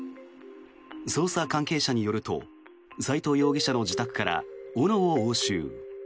捜査関係者によると斎藤容疑者の自宅から斧を押収。